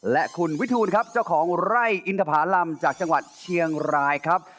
และคุณวิทูลครับเจ้าของไร่อินทภารำจากจังหวัดเชียงรายครับ